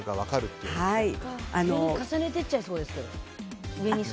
重ねていっちゃいそうですけど。